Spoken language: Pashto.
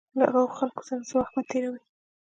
له هغه خلکو سره وخت مه تېروئ.